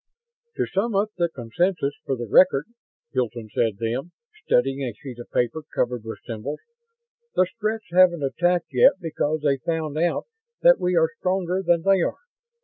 "To sum up the consensus, for the record," Hilton said then, studying a sheet of paper covered with symbols, "the Stretts haven't attacked yet because they found out that we are stronger than they are.